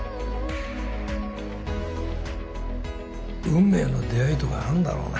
運命の出会いとかあんだろうな。